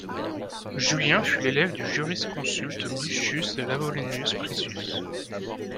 Julien fut l'élève du jurisconsulte Lucius Iavolenus Priscus.